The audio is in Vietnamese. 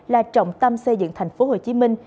là trọng tâm xây dựng thành phố hồ chí minh